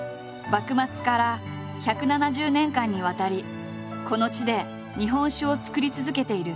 幕末から１７０年間にわたりこの地で日本酒を造り続けている。